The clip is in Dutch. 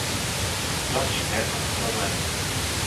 Dat is het werkelijke probleem.